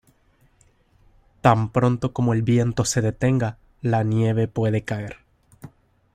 Tan pronto como el viento se detenga, la nieve puede caer.